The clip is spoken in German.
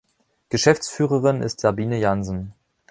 Geschäftsführerin ist Sabine Jansen.